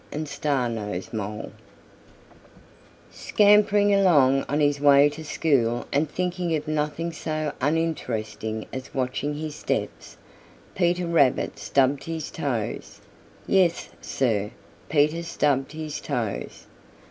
CHAPTER XX Four Busy Little Miners Scampering along on his way to school and thinking of nothing so uninteresting as watching his steps, Peter Rabbit stubbed his toes. Yes, sir, Peter stubbed his toes.